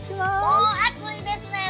もう暑いですね！